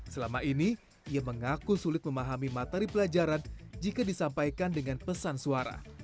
selama ini ia mengaku sulit memahami materi pelajaran jika disampaikan dengan pesan suara